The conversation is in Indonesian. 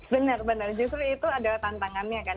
benar benar justru itu adalah tantangannya kan